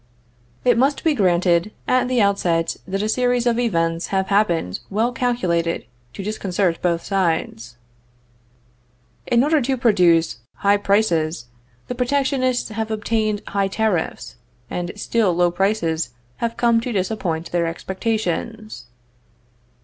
It must be granted at the outset that a series of events have happened well calculated to disconcert both sides. In order to produce high prices the protectionists have obtained high tariffs, and still low prices have come to disappoint their expectations.